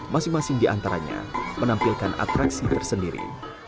masing masing di antaranya menampilkan atraksi tersendiri